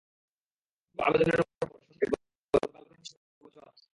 এসব আবেদনের ওপর শুনানি শেষে গতকাল রায় ঘোষণা করেন সর্বোচ্চ আদালত।